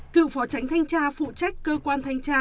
cựu phó tránh thanh tra phụ trách cơ quan thanh tra